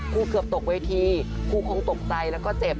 เกือบตกเวทีครูคงตกใจแล้วก็เจ็บ